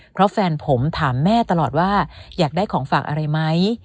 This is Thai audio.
เพราะแฟนผมถามแม่ตลอดว่าอยากได้ของฝากอะไรไหม